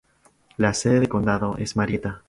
La sede de condado es Marietta.